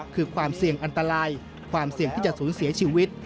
คือความเสี่ยงอันตรายความเสี่ยงที่จะสูญเสียชีวิต